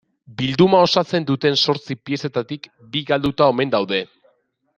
Bilduma osatzen duten zortzi piezetatik bi galduta omen daude.